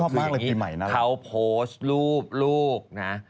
ชอบมากเลยปีใหม่น่ารักคืออย่างนี้เขาโพสต์รูปนะ